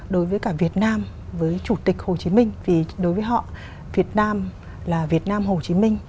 đối với cả việt nam với chủ tịch hồ chí minh thì đối với họ việt nam là việt nam hồ chí minh